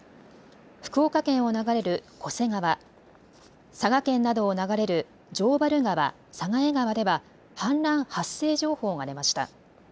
福岡県を流れる巨瀬川佐賀県などを流れる城原川、佐賀江川では氾濫発生情報が出ました。